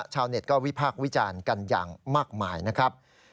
ชาวเน็ตก็วิพากษ์วิจารณ์กันอย่างมากมายนะครับ